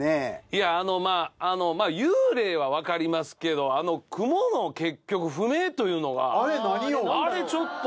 いやあのまあ幽霊は分かりますけどあの雲の結局不明というのがあれちょっと。